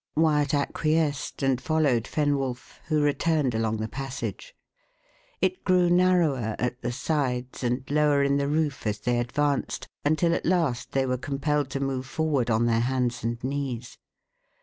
Wyat acquiesced, and followed Fenwolf, who returned along the passage. It grew narrower at the sides and lower in the roof as they advanced, until at last they were compelled to move forward on their hands and knees.